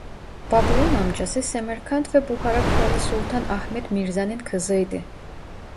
Babur'un amcası Semerkant ve Buhara Kralı Sultan Ahmed Mirza'nın kızıydı.